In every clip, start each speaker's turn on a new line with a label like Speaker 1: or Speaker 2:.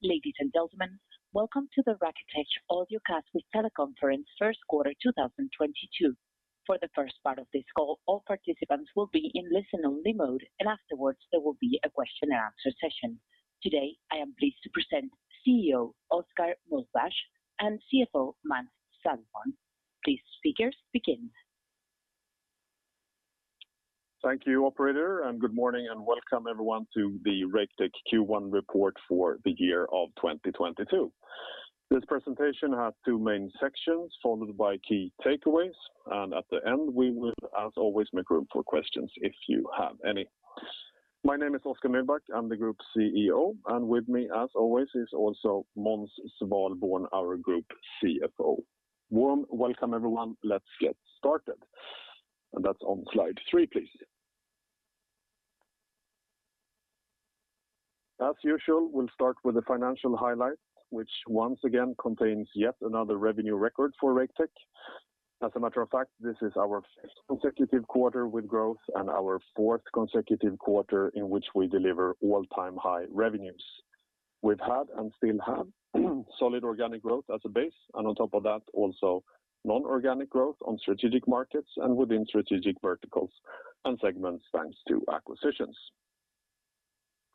Speaker 1: Ladies and gentlemen, welcome to the Raketech Audiocast with Teleconference first quarter 2022. For the first part of this call, all participants will be in listen-only mode, and afterwards, there will be a question and answer session. Today, I am pleased to present CEO Oskar Mühlbach and CFO Måns Svalborn. Please speakers, begin.
Speaker 2: Thank you, operator, and good morning and welcome everyone to the Raketech Q1 report for the year of 2022. This presentation has two main sections followed by key takeaways, and at the end, we will, as always, make room for questions if you have any. My name is Oskar Mühlbach, I'm the Group CEO, and with me, as always, is also Måns Svalborn, our Group CFO. Warm welcome, everyone. Let's get started. That's on slide three, please. As usual, we'll start with the financial highlights, which once again contains yet another revenue record for Raketech. As a matter of fact, this is our fifth consecutive quarter with growth and our fourth consecutive quarter in which we deliver all-time high revenues. We've had and still have solid organic growth as a base, and on top of that, also non-organic growth on strategic markets and within strategic verticals and segments, thanks to acquisitions.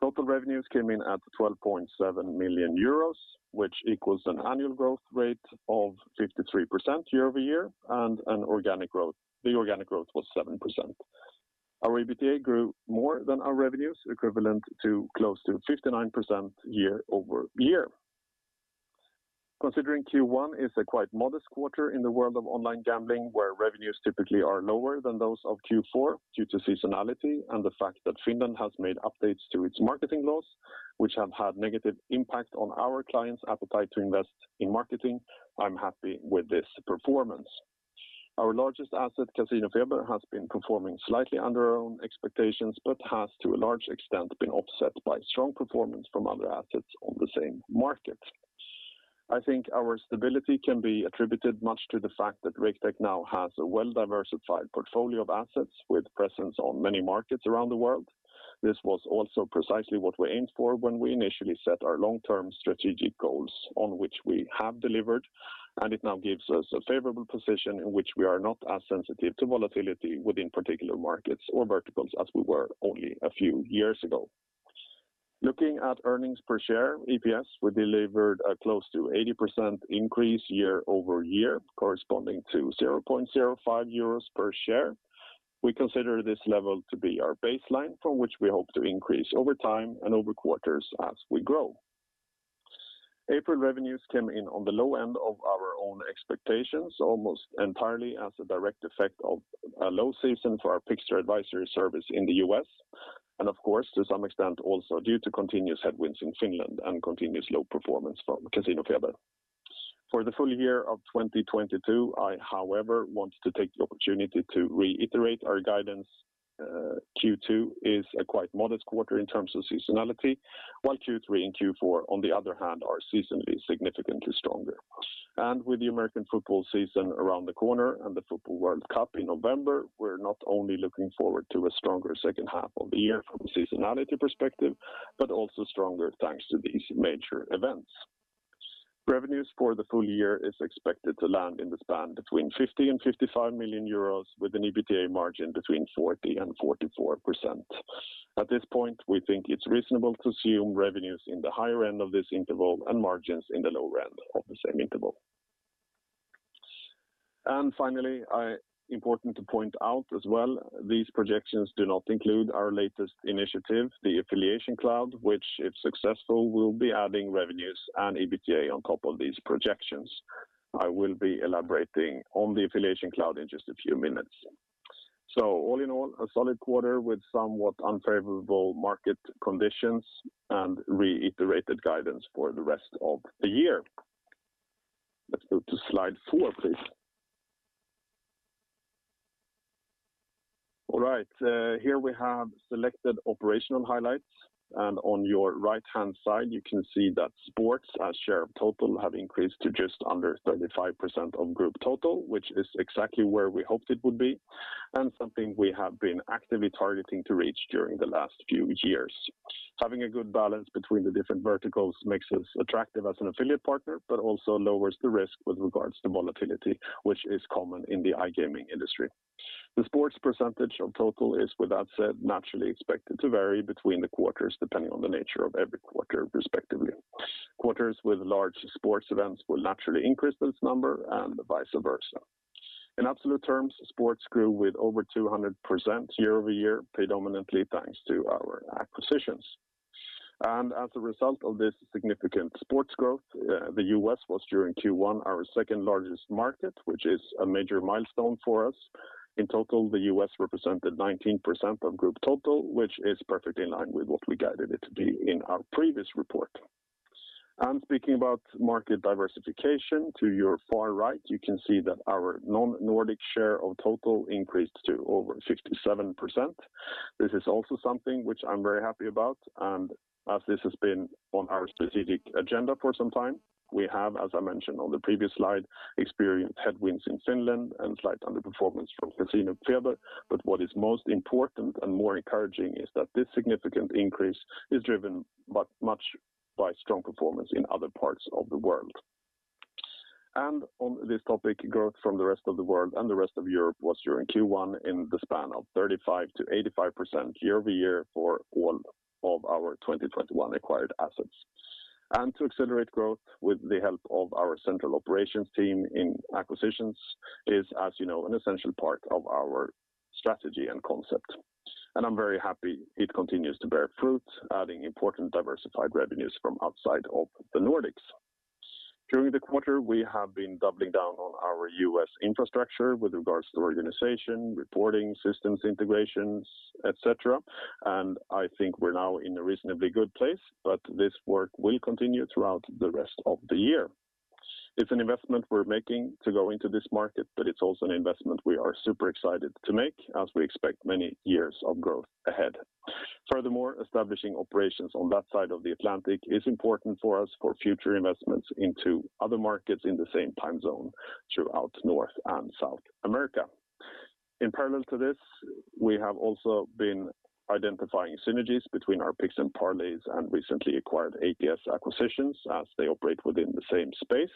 Speaker 2: Total revenues came in at 12.7 million euros, which equals an annual growth rate of 53% year-over-year and the organic growth was 7%. Our EBITDA grew more than our revenues, equivalent to close to 59% year-over-year. Considering Q1 is a quite modest quarter in the world of online gambling, where revenues typically are lower than those of Q4 due to seasonality and the fact that Finland has made updates to its marketing laws, which have had negative impact on our clients' appetite to invest in marketing, I'm happy with this performance. Our largest asset, CasinoFeber, has been performing slightly under our own expectations, but has to a large extent been offset by strong performance from other assets on the same market. I think our stability can be attributed much to the fact that Raketech now has a well-diversified portfolio of assets with presence on many markets around the world. This was also precisely what we aimed for when we initially set our long-term strategic goals on which we have delivered, and it now gives us a favorable position in which we are not as sensitive to volatility within particular markets or verticals as we were only a few years ago. Looking at earnings per share, EPS, we delivered a close to 80% increase year-over-year, corresponding to 0.05 euros per share. We consider this level to be our baseline from which we hope to increase over time and over quarters as we grow. April revenues came in on the low end of our own expectations, almost entirely as a direct effect of a low season for our tipster advisory service in the U.S., and of course, to some extent also due to continuous headwinds in Finland and continuous low performance from CasinoFeber. For the full year of 2022, I, however, want to take the opportunity to reiterate our guidance. Q2 is a quite modest quarter in terms of seasonality, while Q3 and Q4, on the other hand, are seasonally significantly stronger. With the American football season around the corner and the football World Cup in November, we're not only looking forward to a stronger second half of the year from a seasonality perspective but also stronger thanks to these major events. Revenues for the full year is expected to land in the span between 50 million and 55 million euros with an EBITDA margin between 40% and 44%. At this point, we think it's reasonable to assume revenues in the higher end of this interval and margins in the lower end of the same interval. Finally, important to point out as well, these projections do not include our latest initiative, the Affiliation Cloud, which if successful, will be adding revenues and EBITDA on top of these projections. I will be elaborating on the Affiliation Cloud in just a few minutes. All in all, a solid quarter with somewhat unfavorable market conditions and reiterated guidance for the rest of the year. Let's go to slide four, please. All right, here we have selected operational highlights, and on your right-hand side, you can see that sports' share of total has increased to just under 35% of group total, which is exactly where we hoped it would be and something we have been actively targeting to reach during the last few years. Having a good balance between the different verticals makes us attractive as an affiliate partner but also lowers the risk with regards to volatility, which is common in the iGaming industry. The sports percentage of total is, with that said, naturally expected to vary between the quarters depending on the nature of every quarter respectively. Quarters with large sports events will naturally increase this number and vice versa. In absolute terms, sports grew with over 200% year-over-year, predominantly thanks to our acquisitions. As a result of this significant sports growth, the U.S. was during Q1 our second-largest market, which is a major milestone for us. In total, the U.S. represented 19% of group total, which is perfectly in line with what we guided it to be in our previous report. Speaking about market diversification, to your far right, you can see that our non-Nordic share of total increased to over 67%. This is also something which I'm very happy about, and as this has been on our strategic agenda for some time, we have, as I mentioned on the previous slide, experienced headwinds in Finland and slight underperformance from CasinoFeber. What is most important and more encouraging is that this significant increase is driven much by strong performance in other parts of the world. On this topic, growth from the rest of the world and the rest of Europe was during Q1 in the span of 35%-85% year-over-year for all of our 2021 acquired assets. To accelerate growth with the help of our central operations team in acquisitions is, as you know, an essential part of our strategy and concept. I'm very happy it continues to bear fruit, adding important diversified revenues from outside of the Nordics. During the quarter, we have been doubling down on our U.S. infrastructure with regards to organization, reporting, systems integrations, et cetera. I think we're now in a reasonably good place, but this work will continue throughout the rest of the year. It's an investment we're making to go into this market, but it's also an investment we are super excited to make as we expect many years of growth ahead. Furthermore, establishing operations on that side of the Atlantic is important for us for future investments into other markets in the same time zone throughout North and South America. In parallel to this, we have also been identifying synergies between our Picks & Parlays and recently acquired ATS acquisitions as they operate within the same space.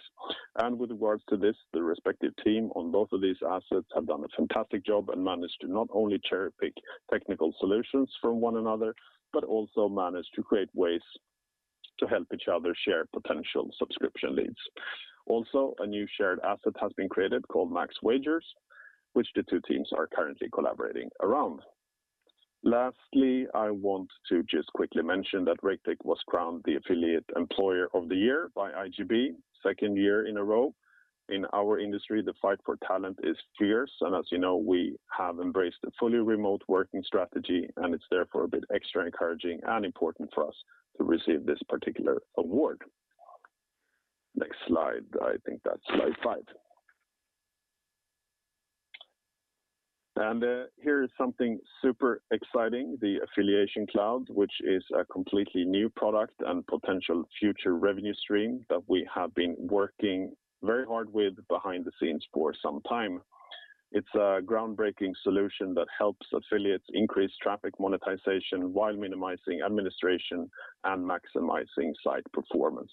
Speaker 2: With regards to this, the respective team on both of these assets have done a fantastic job and managed to not only cherry-pick technical solutions from one another, but also managed to create ways to help each other share potential subscription leads. Also, a new shared asset has been created called Max Wagers, which the two teams are currently collaborating around. Lastly, I want to just quickly mention that Raketech was crowned the Affiliate Employer of the Year by IGB, second year in a row. In our industry, the fight for talent is fierce, and as you know, we have embraced a fully remote working strategy, and it's therefore a bit extra encouraging and important for us to receive this particular award. Next slide. I think that's slide five. Here is something super exciting, the Affiliation Cloud, which is a completely new product and potential future revenue stream that we have been working very hard with behind the scenes for some time. It's a groundbreaking solution that helps affiliates increase traffic monetization while minimizing administration and maximizing site performance.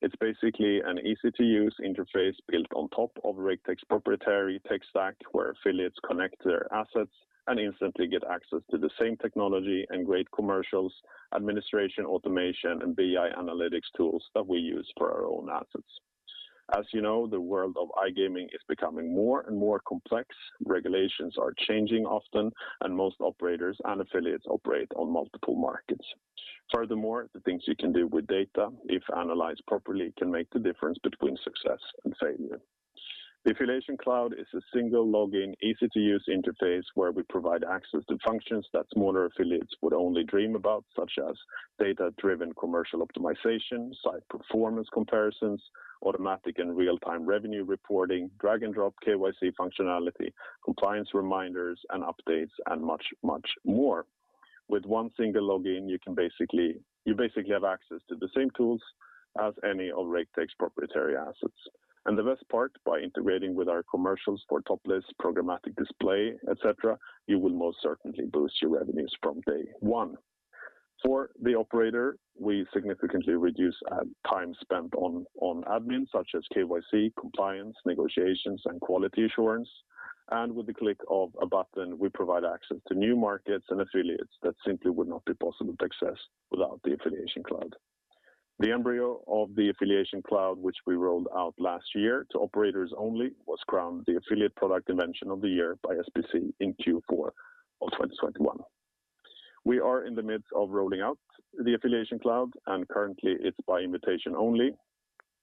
Speaker 2: It's basically an easy-to-use interface built on top of Raketech's proprietary tech stack, where affiliates connect their assets and instantly get access to the same technology and great commercials, administration, automation, and BI analytics tools that we use for our own assets. As you know, the world of iGaming is becoming more and more complex. Regulations are changing often, and most operators and affiliates operate on multiple markets. Furthermore, the things you can do with data, if analyzed properly, can make the difference between success and failure. The Affiliation Cloud is a single login, easy-to-use interface where we provide access to functions that smaller affiliates would only dream about, such as data-driven commercial optimization, site performance comparisons, automatic and real-time revenue reporting, drag and drop KYC functionality, compliance reminders and updates, and much, much more. With one single login, you can basically have access to the same tools as any of Raketech's proprietary assets. The best part, by integrating with our commercials for top list programmatic display, et cetera, you will most certainly boost your revenues from day one. For the operator, we significantly reduce time spent on admin, such as KYC, compliance, negotiations, and quality assurance. With the click of a button, we provide access to new markets and affiliates that simply would not be possible to access without the Affiliation Cloud. The embryo of the Affiliation Cloud, which we rolled out last year to operators only, was crowned the Affiliate Product Invention of the Year by SBC in Q4 of 2021. We are in the midst of rolling out the Affiliation Cloud, and currently it's by invitation only.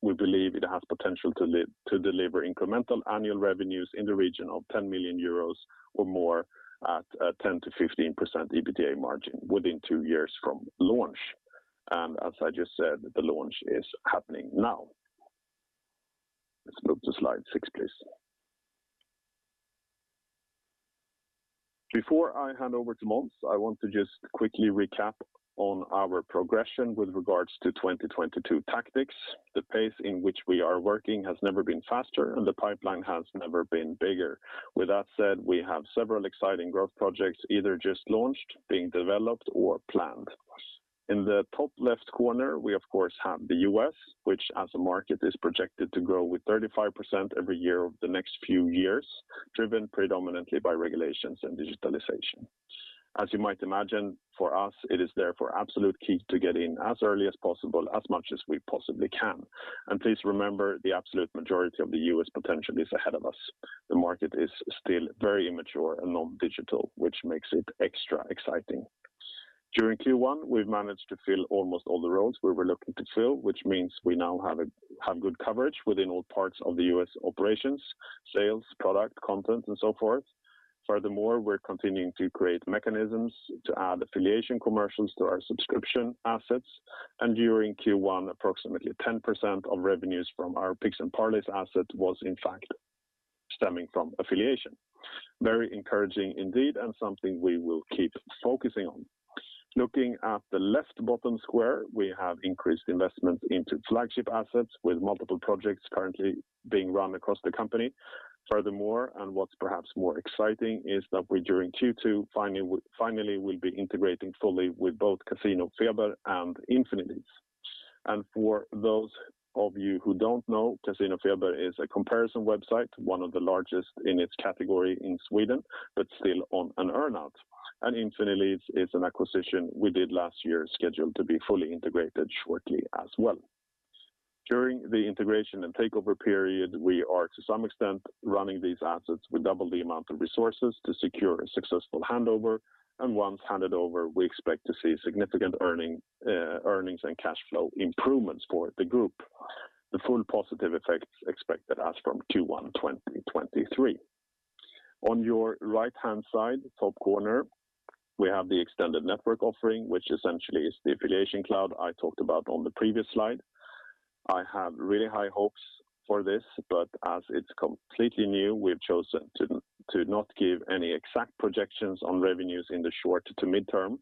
Speaker 2: We believe it has potential to deliver incremental annual revenues in the region of 10 million euros or more at a 10%-15% EBITDA margin within two years from launch. As I just said, the launch is happening now. Let's move to slide six, please. Before I hand over to Måns, I want to just quickly recap on our progression with regards to 2022 tactics. The pace in which we are working has never been faster, and the pipeline has never been bigger. With that said, we have several exciting growth projects either just launched, being developed, or planned. In the top left corner, we of course have the U.S., which as a market is projected to grow with 35% every year over the next few years, driven predominantly by regulations and digitalization. As you might imagine, for us, it is therefore absolute key to get in as early as possible, as much as we possibly can. Please remember, the absolute majority of the U.S. potential is ahead of us. The market is still very immature and non-digital, which makes it extra exciting. During Q1, we've managed to fill almost all the roles we were looking to fill, which means we now have good coverage within all parts of the U.S. operations, sales, product, content, and so forth. Furthermore, we're continuing to create mechanisms to add affiliation commercials to our subscription assets. During Q1, approximately 10% of revenues from our Picks & Parlays asset was in fact stemming from affiliation. Very encouraging indeed, and something we will keep focusing on. Looking at the left bottom square, we have increased investment into flagship assets with multiple projects currently being run across the company. Furthermore, what's perhaps more exciting is that we during Q2 finally will be integrating fully with both CasinoFeber and Infinileads. For those of you who don't know, CasinoFeber is a comparison website, one of the largest in its category in Sweden, but still on an earn-out. Infinileads is an acquisition we did last year scheduled to be fully integrated shortly as well. During the integration and takeover period, we are, to some extent, running these assets with double the amount of resources to secure a successful handover and once handed over, we expect to see significant earnings and cash flow improvements for the group. The full positive effects expected as from Q1 2023. On your right-hand side, top corner, we have the extended network offering, which essentially is the Affiliation Cloud I talked about on the previous slide. I have really high hopes for this, but as it's completely new, we've chosen to not give any exact projections on revenues in the short to midterm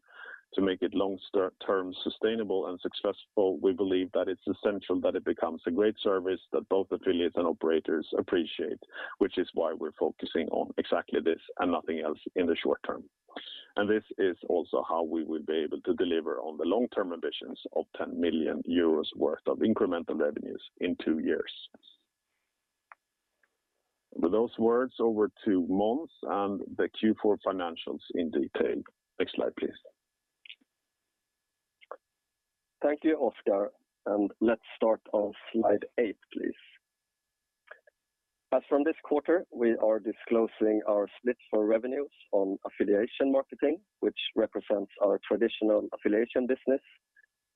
Speaker 2: to make it long-term sustainable and successful, we believe that it's essential that it becomes a great service that both affiliates and operators appreciate, which is why we're focusing on exactly this and nothing else in the short term. This is also how we will be able to deliver on the long-term ambitions of 10 million euros worth of incremental revenues in two years. With those words over to Måns and the Q4 financials in detail. Next slide, please.
Speaker 3: Thank you, Oskar, and let's start on slide 8, please. As from this quarter, we are disclosing our split for revenues on affiliation marketing, which represents our traditional affiliation business,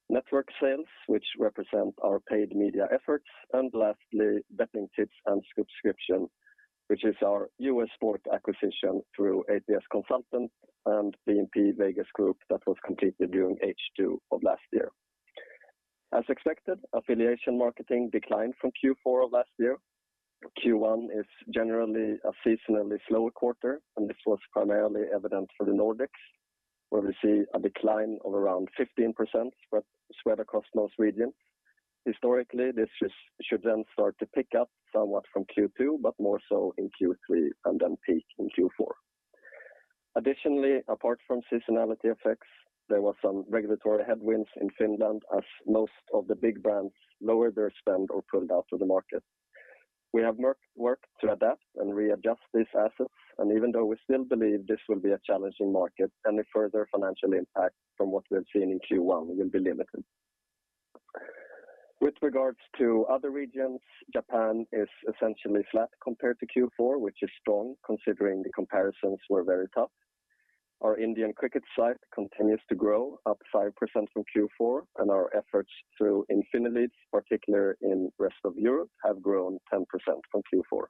Speaker 3: network sales which represent our paid media efforts, and lastly, betting tips and subscription, which is our US sports acquisition through A.T.S. Consultants and P&P Vegas Group that was completed during H2 of last year. As expected, affiliation marketing declined from Q4 of last year. Q1 is generally a seasonally slower quarter, and this was primarily evident for the Nordics, where we see a decline of around 15% spread across most regions. Historically, this should then start to pick up somewhat from Q2, but more so in Q3 and then peak in Q4. Additionally, apart from seasonality effects, there was some regulatory headwinds in Finland as most of the big brands lowered their spend or pulled out of the market. We have worked to adapt and readjust these assets, and even though we still believe this will be a challenging market, any further financial impact from what we've seen in Q1 will be limited. With regards to other regions, Japan is essentially flat compared to Q4, which is strong considering the comparisons were very tough. Our Indian cricket site continues to grow up 5% from Q4, and our efforts through Infinileads, particularly in rest of Europe, have grown 10% from Q4.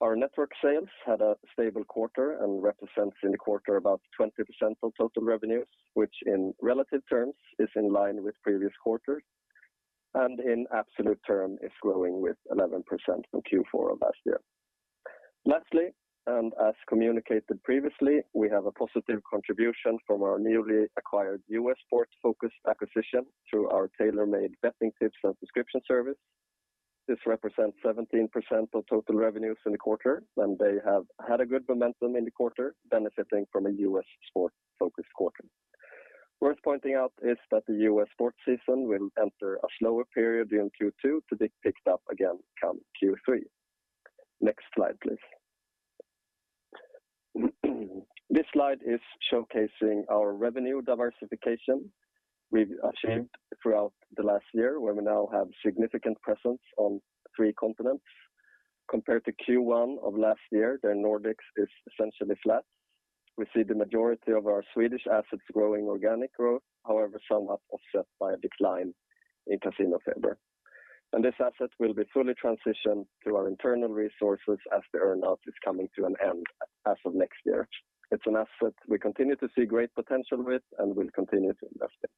Speaker 3: Our network sales had a stable quarter and represents in the quarter about 20% of total revenues, which in relative terms is in line with previous quarters, and in absolute term is growing with 11% from Q4 of last year. Lastly, and as communicated previously, we have a positive contribution from our newly acquired U.S. sports-focused acquisition through our tailor-made betting tips and subscription service. This represents 17% of total revenues in the quarter, and they have had a good momentum in the quarter, benefiting from a U.S. sport-focused quarter. Worth pointing out is that the U.S. sports season will enter a slower period during Q2 to be picked up again come Q3. Next slide, please. This slide is showcasing our revenue diversification we've achieved throughout the last year, where we now have significant presence on three continents. Compared to Q1 of last year, the Nordics is essentially flat. We see the majority of our Swedish assets growing organic growth. However, somewhat offset by a decline in CasinoFeber. This asset will be fully transitioned through our internal resources as the earn-out is coming to an end as of next year. It's an asset we continue to see great potential with and will continue to invest in.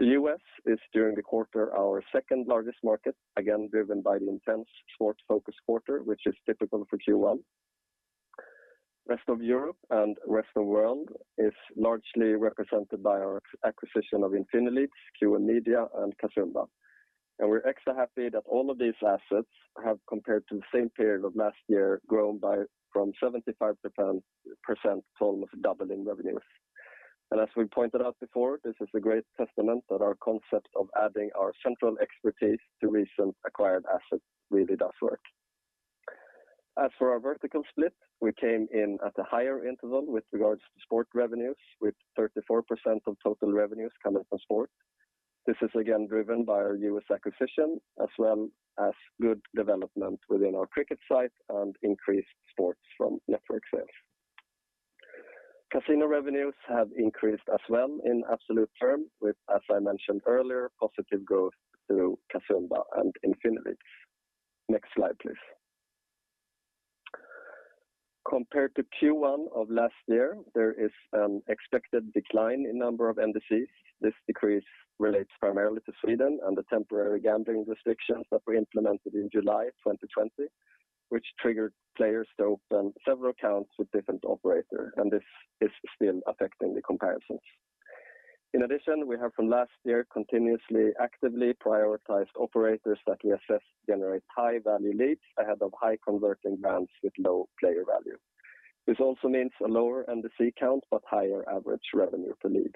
Speaker 3: The U.S. is during the quarter our second-largest market, again driven by the intense sports-focused quarter, which is typical for Q1. Rest of Europe and rest of world is largely represented by our acquisition of Infinileads, QM Media, and Casumba. We're extra happy that all of these assets have, compared to the same period of last year, grown by from 75% to doubling revenues. As we pointed out before, this is a great testament that our concept of adding our central expertise to recent acquired assets really does work. As for our vertical split, we came in at a higher interval with regards to sport revenues, with 34% of total revenues coming from sport. This is again driven by our U.S. acquisition as well as good development within our cricket site and increased sports from network sales. Casino revenues have increased as well in absolute terms with, as I mentioned earlier, positive growth through Casumba and Infinileads. Next slide, please. Compared to Q1 of last year, there is an expected decline in number of entities. This decrease relates primarily to Sweden and the temporary gambling restrictions that were implemented in July 2020, which triggered players to open several accounts with different operators, and this is still affecting the comparisons. In addition, we have from last year continuously actively prioritized operators that we assess generate high value leads ahead of high converting brands with low player value. This also means a lower NDC count but higher average revenue per lead.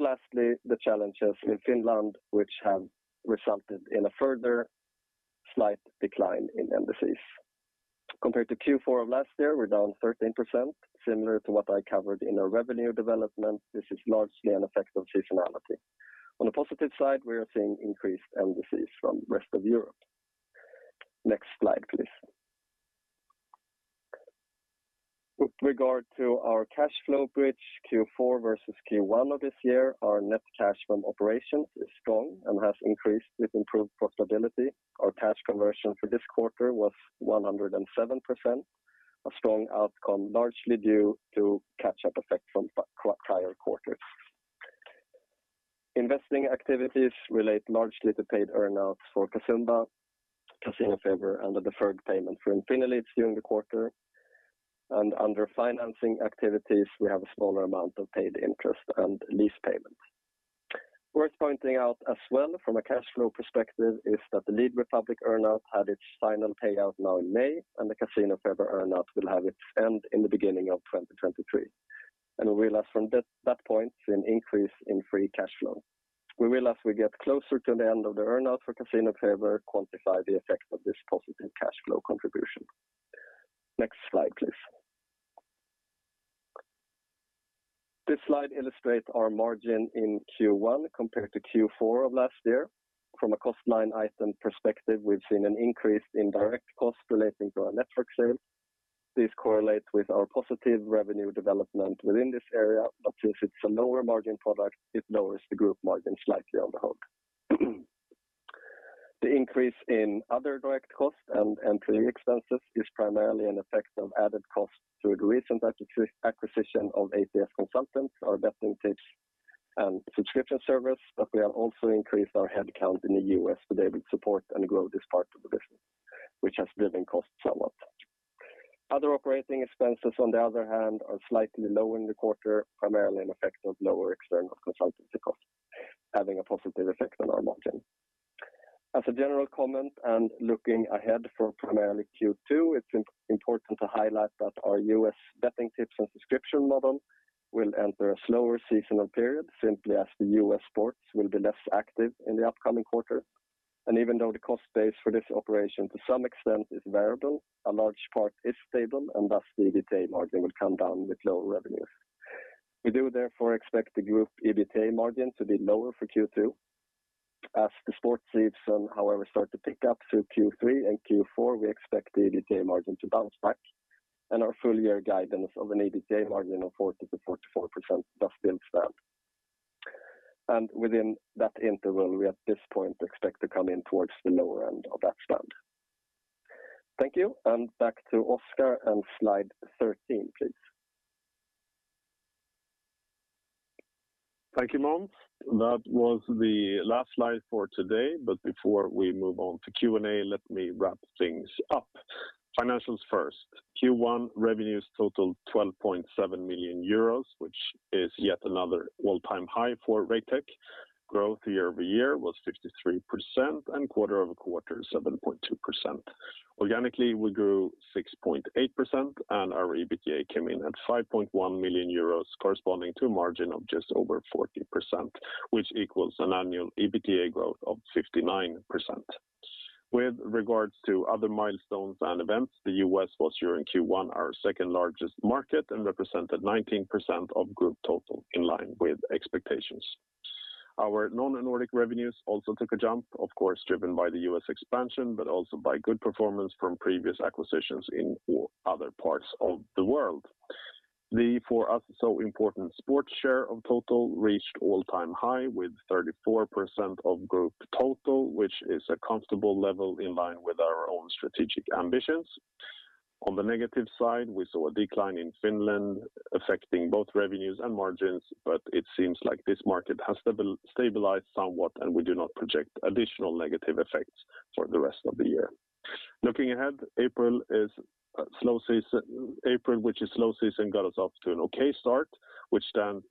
Speaker 3: Lastly, the challenges in Finland which have resulted in a further slight decline in NDCs. Compared to Q4 of last year, we're down 13% similar to what I covered in our revenue development. This is largely an effect of seasonality. On the positive side, we are seeing increased MDCs from the rest of Europe. Next slide, please. With regard to our cash flow bridge Q4 versus Q1 of this year, our net cash from operations is strong and has increased with improved profitability. Our cash conversion for this quarter was 107%. A strong outcome largely due to catch-up effect from pre-prior quarters. Investing activities relate largely to paid earn outs for Casumba, CasinoFeber, and the deferred payment for Infinileads during the quarter. Under financing activities, we have a smaller amount of paid interest and lease payments. Worth pointing out as well from a cash flow perspective is that the Lead Republik earn out had its final payout now in May, and the CasinoFeber earn out will have its end in the beginning of 2023. We'll realize from that point an increase in free cash flow. We realize we get closer to the end of the earn-out for CasinoFeber. Quantify the effect of this positive cash flow contribution. Next slide, please. This slide illustrates our margin in Q1 compared to Q4 of last year. From a cost line item perspective, we've seen an increase in direct costs relating to our network sales. These correlate with our positive revenue development within this area, but since it's a lower margin product, it lowers the group margin slightly on the whole. The increase in other direct costs and personnel expenses is primarily an effect of added costs to a recent acquisition of A.T.S. Consultants, our betting tips and subscription service, but we have also increased our head count in the U.S. to be able to support and grow this part of the business, which has driven costs somewhat. Other operating expenses on the other hand, are slightly lower in the quarter, primarily an effect of lower external consultancy costs, having a positive effect on our margin. As a general comment and looking ahead for primarily Q2, it's important to highlight that our U.S. betting tips and subscription model will enter a slower seasonal period simply as the US sports will be less active in the upcoming quarter. Even though the cost base for this operation to some extent is variable, a large part is stable and thus the EBITDA margin will come down with lower revenues. We do therefore expect the group EBITDA margin to be lower for Q2. As the sports season, however, start to pick up through Q3 and Q4, we expect the EBITDA margin to bounce back and our full year guidance of an EBITDA margin of 40%-44% does still stand. Within that interval, we at this point expect to come in towards the lower end of that stand. Thank you. Back to Oskar and slide 13, please.
Speaker 2: Thank you, Måns. That was the last slide for today, but before we move on to Q&A, let me wrap things up. Financials first. Q1 revenues totaled 12.7 million euros, which is yet another all-time high for Raketech. Growth year-over-year was 53% and quarter-over-quarter 7.2%. Organically, we grew 6.8% and our EBITDA came in at 5.1 million euros corresponding to a margin of just over 40%, which equals an annual EBITDA growth of 59%. With regards to other milestones and events, the U.S. was during Q1 our second-largest market and represented 19% of group total in line with expectations. Our non-Nordic revenues also took a jump, of course, driven by the U.S. expansion, but also by good performance from previous acquisitions in our other parts of the world. For us, so important sports share of total reached all-time high with 34% of group total, which is a comfortable level in line with our own strategic ambitions. On the negative side, we saw a decline in Finland affecting both revenues and margins, but it seems like this market has stabilized somewhat, and we do not project additional negative effects for the rest of the year. Looking ahead, April, which is slow season, got us off to an okay start. What stands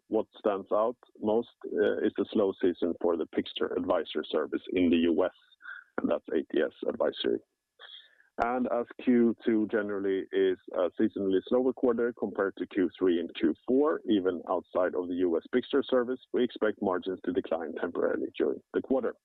Speaker 2: out most is the slow season for the tipster advisory service in the U.S., and that's ATS Advisory. As Q2 generally is a seasonally slower quarter compared to Q3 and Q4, even outside of the US tipster service, we expect margins to decline temporarily during the quarter.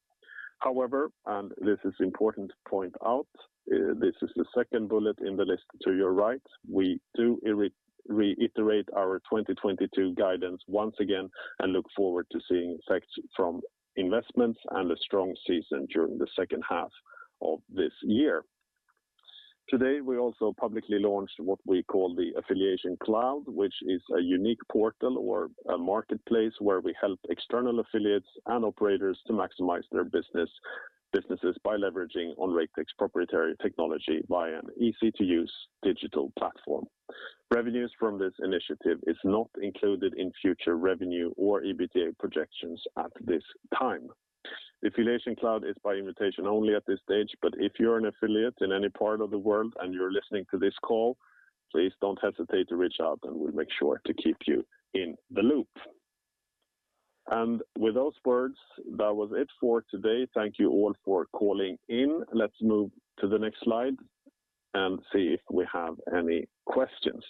Speaker 2: However, and this is important to point out, this is the second bullet in the list to your right. We reiterate our 2022 guidance once again and look forward to seeing effects from investments and a strong season during the second half of this year. Today, we also publicly launched what we call the Affiliation Cloud, which is a unique portal or a marketplace where we help external affiliates and operators to maximize their businesses by leveraging on Raketech's proprietary technology via an easy-to-use digital platform. Revenues from this initiative is not included in future revenue or EBITDA projections at this time. Affiliation Cloud is by invitation only at this stage, but if you're an affiliate in any part of the world and you're listening to this call, please don't hesitate to reach out and we'll make sure to keep you in the loop. With those words, that was it for today. Thank you all for calling in. Let's move to the next slide and see if we have any questions.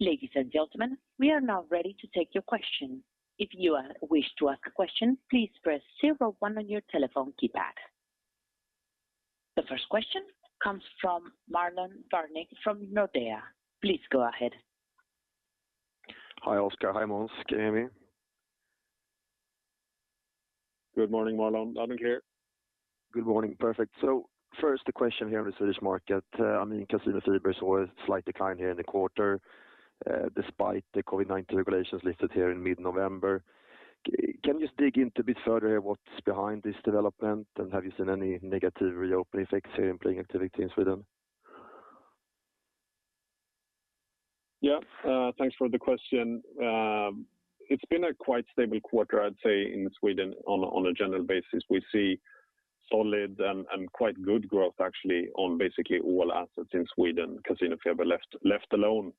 Speaker 1: Ladies and gentlemen, we are now ready to take your question. If you wish to ask a question, please press zero one on your telephone keypad. The first question comes from Marlon värnik from Nordea. Please go ahead.
Speaker 4: Hi, Oskar. Hi, Måns. Can you hear me?
Speaker 2: Good morning, Marlon. I can hear.
Speaker 4: Good morning. Perfect. First, the question here on the Swedish market, I mean, CasinoFeber saw a slight decline here in the quarter, despite the COVID-19 regulations lifted here in mid-November. Can you just dig a bit further into what's behind this development? Have you seen any negative reopening effects here in player activity in Sweden?
Speaker 2: Yeah, thanks for the question. It's been a quite stable quarter, I'd say, in Sweden on a general basis. We see solid and quite good growth actually on basically all assets in Sweden, CasinoFeber left alone.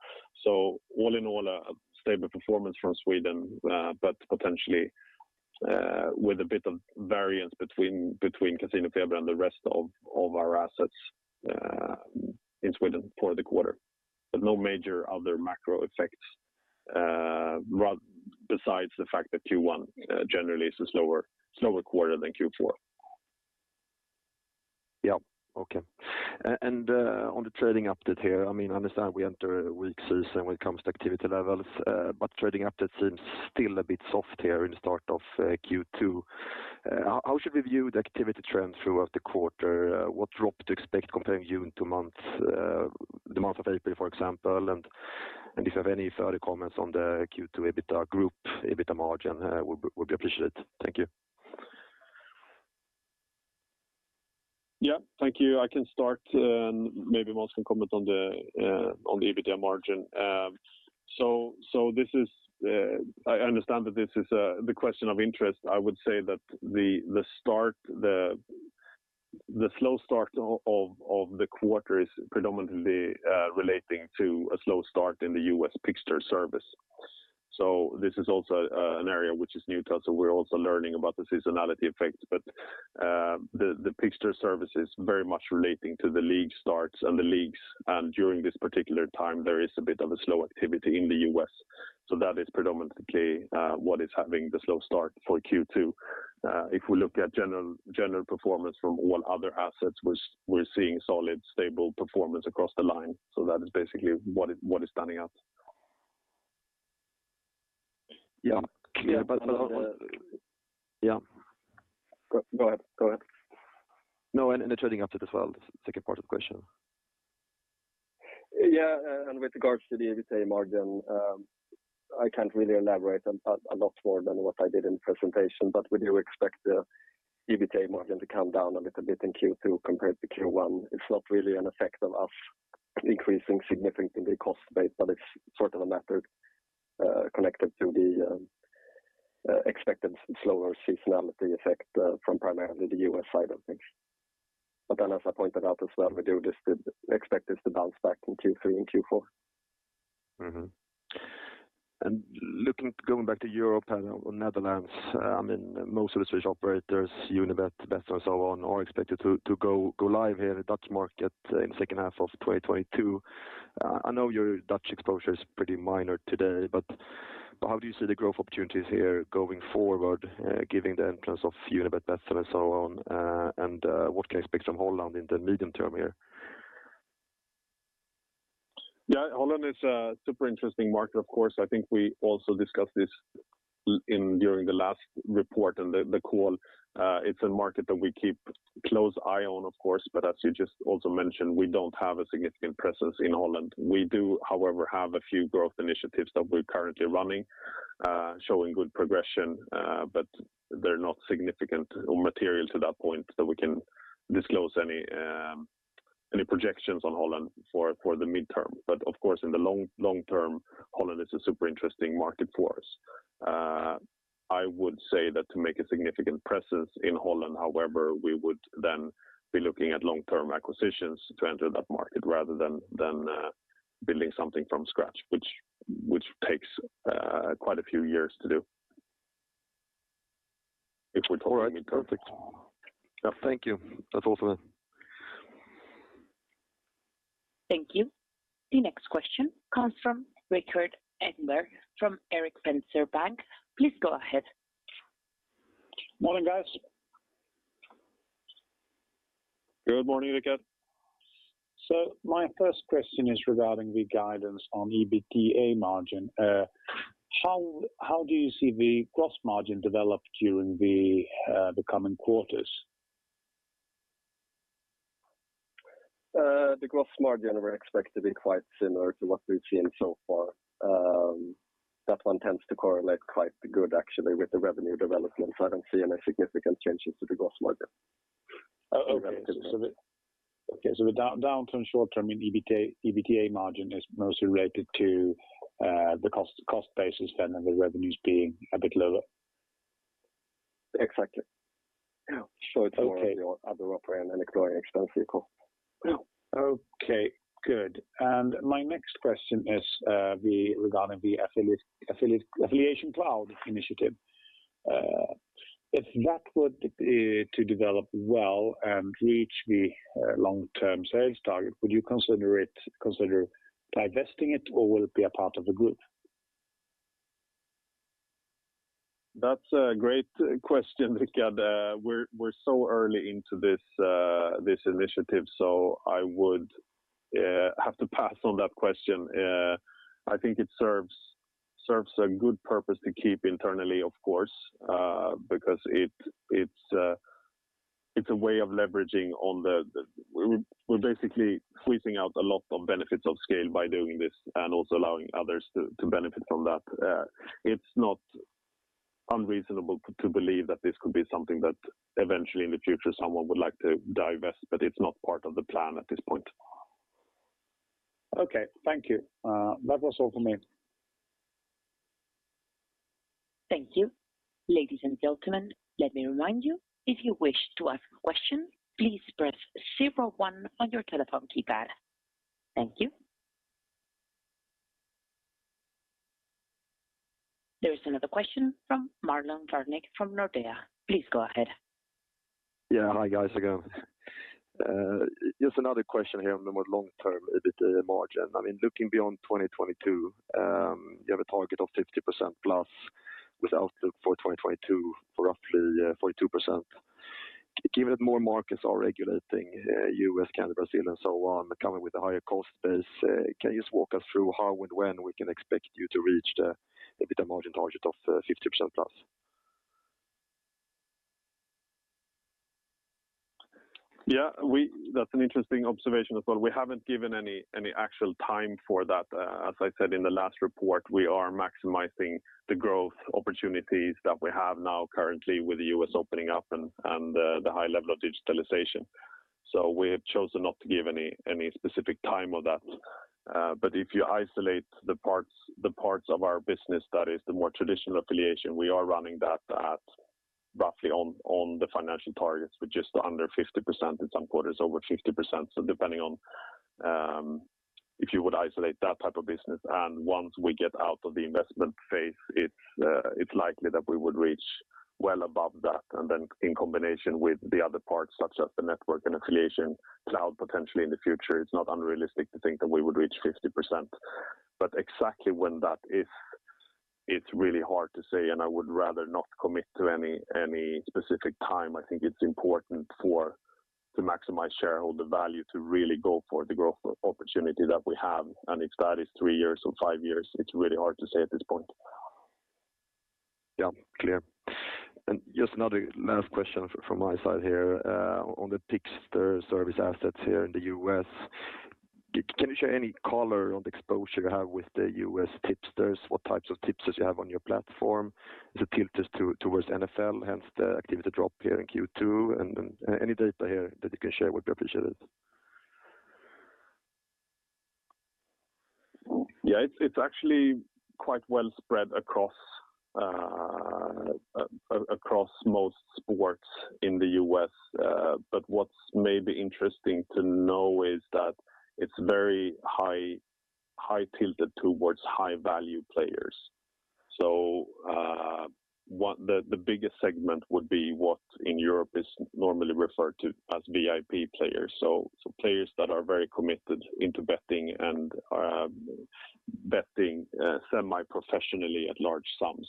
Speaker 2: All in all, a stable performance from Sweden, but potentially with a bit of variance between CasinoFeber and the rest of our assets in Sweden for the quarter. No major other macro effects besides the fact that Q1 generally is a slower quarter than Q4.
Speaker 4: Yeah. Okay. On the trading update here, I mean, I understand we enter a weak season when it comes to activity levels, but trading update seems still a bit soft here in the start of Q2. How should we view the activity trends throughout the quarter? What drop to expect comparing June to months, the month of April, for example? If you have any further comments on the Q2 group EBITDA margin, would be appreciated. Thank you.
Speaker 2: Yeah. Thank you. I can start, and maybe Måns can comment on the EBITDA margin. This is, I understand, the question of interest. I would say that the slow start of the quarter is predominantly relating to a slow start in the US tipster service. This is also an area which is new to us, so we're also learning about the seasonality effect. The tipster service is very much relating to the league starts and the leagues, and during this particular time, there is a bit of a slow activity in the US. That is predominantly what is having the slow start for Q2. If we look at general performance from all other assets, we're seeing solid, stable performance across the line. That is basically what is standing out.
Speaker 4: Yeah. Yeah,
Speaker 2: Yeah. Go ahead.
Speaker 4: No, and the trading update as well, the second part of the question.
Speaker 3: Yeah. With regards to the EBITDA margin, I can't really elaborate a lot more than what I did in the presentation, but we do expect the EBITDA margin to come down a little bit in Q2 compared to Q1. It's not really an effect of us increasing significantly cost base, but it's sort of a matter connected to the expected slower seasonality effect from primarily the U.S. side of things. As I pointed out as well, we do expect this to bounce back in Q3 and Q4.
Speaker 4: Going back to Europe and Netherlands, I mean, most of the Swedish operators, Unibet, Betsson, and so on, are expected to go live here in the Dutch market in the second half of 2022. I know your Dutch exposure is pretty minor today, but how do you see the growth opportunities here going forward, given the entrance of Unibet, Betsson, and so on? What can I expect from Holland in the medium term here?
Speaker 2: Yeah, Holland is a super interesting market, of course. I think we also discussed this during the last report and the call. It's a market that we keep close eye on, of course, but as you just also mentioned, we don't have a significant presence in Holland. We do, however, have a few growth initiatives that we're currently running, showing good progression, but they're not significant or material to that point that we can disclose any projections on Holland for the midterm. Of course, in the long term, Holland is a super interesting market for us. I would say that to make a significant presence in Holland, however, we would then be looking at long-term acquisitions to enter that market rather than building something from scratch, which takes quite a few years to do.
Speaker 4: All right. Perfect. Yeah. Thank you. That's all for me.
Speaker 1: Thank you. The next question comes from Rikard Engberg from Erik Penser Bank. Please go ahead.
Speaker 5: Morning, guys.
Speaker 2: Good morning, Rikard.
Speaker 5: My first question is regarding the guidance on EBITDA margin. How do you see the gross margin developed during the coming quarters?
Speaker 3: The gross margin we expect to be quite similar to what we've seen so far. That one tends to correlate quite good actually with the revenue development. I don't see any significant changes to the gross margin. The short-term downturn in EBITDA margin is mostly related to the cost basis then and the revenues being a bit lower.
Speaker 2: Exactly.
Speaker 3: Yeah. Shorter for your other operator and ignoring external cycle. Okay, good. My next question is regarding the Affiliation Cloud initiative. If that were to develop well and reach the long-term sales target, would you consider divesting it, or will it be a part of the group?
Speaker 2: That's a great question, Rikard. We're so early into this initiative, so I would have to pass on that question. I think it serves a good purpose to keep internally, of course, because it's a way of leveraging. We're basically squeezing out a lot of benefits of scale by doing this and also allowing others to benefit from that. It's not unreasonable to believe that this could be something that eventually in the future someone would like to divest, but it's not part of the plan at this point.
Speaker 5: Okay. Thank you. That was all for me.
Speaker 1: Thank you. Ladies and gentlemen, let me remind you, if you wish to ask a question, please press zero one on your telephone keypad. Thank you. There is another question from Marlon Värnik from Nordea. Please go ahead.
Speaker 4: Yeah. Hi, guys, again. Just another question here on the more long term, a bit margin. I mean, looking beyond 2022, you have a target of 50%+ with outlook for 2022 for roughly 42%. Given that more markets are regulating, US, Canada, Brazil and so on, but coming with a higher cost base, can you just walk us through how and when we can expect you to reach the a bit of margin target of 50%+?
Speaker 2: Yeah. That's an interesting observation as well. We haven't given any actual time for that. As I said in the last report, we are maximizing the growth opportunities that we have now currently with the US opening up and the high level of digitalization. We have chosen not to give any specific time of that. If you isolate the parts of our business that is the more traditional affiliation, we are running that at roughly on the financial targets with just under 50% in some quarters over 50%. Depending on if you would isolate that type of business and once we get out of the investment phase, it's likely that we would reach well above that. Then in combination with the other parts such as the network and Affiliation Cloud potentially in the future, it's not unrealistic to think that we would reach 50%. But exactly when that is, it's really hard to say, and I would rather not commit to any specific time. I think it's important for to maximize shareholder value to really go for the growth opportunity that we have. If that is 3 years or 5 years, it's really hard to say at this point.
Speaker 4: Yeah, clear. Just another last question from my side here on the tipster service assets here in the US. Can you share any color on the exposure you have with the US tipsters? What types of tipsters you have on your platform? Is it tilted towards NFL, hence the activity drop here in Q2? Any data here that you can share would be appreciated.
Speaker 2: Yeah. It's actually quite well spread across most sports in the US. But what's maybe interesting to know is that it's very high tilted towards high value players. The biggest segment would be what in Europe is normally referred to as VIP players. Players that are very committed into betting and betting semi-professionally at large sums.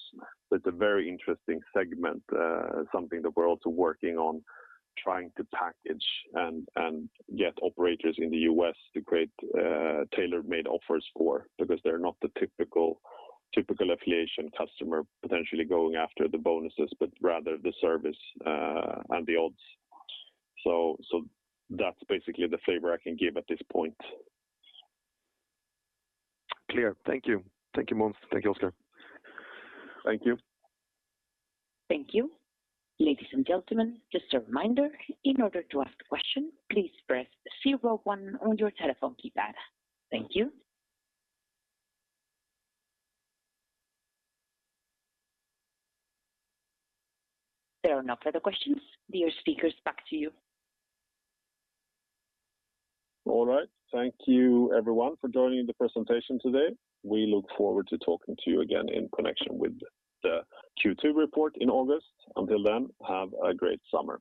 Speaker 2: That's a very interesting segment, something that we're also working on trying to package and get operators in the US to create tailor-made offers for because they're not the typical affiliation customer potentially going after the bonuses, but rather the service and the odds. That's basically the flavor I can give at this point.
Speaker 4: Clear. Thank you. Thank you, Måns. Thank you, Oskar.
Speaker 2: Thank you.
Speaker 1: Thank you. Ladies and gentlemen, just a reminder, in order to ask a question, please press zero one on your telephone keypad. Thank you. There are no further questions. Dear speakers, back to you.
Speaker 2: All right. Thank you everyone for joining the presentation today. We look forward to talking to you again in connection with the Q2 report in August. Until then, have a great summer.